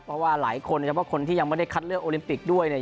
เพราะว่าหลายคนนะครับว่าคนที่ยังไม่ได้คัดเลือกโอลิมปิกด้วยเนี่ย